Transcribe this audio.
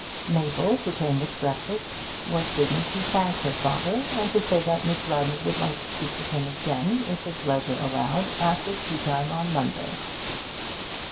Mabel, who came with breakfast, was bidden to thank her father, and to say that Miss Rodney would like to speak with him again, if his leisure allowed, after tea time on Monday.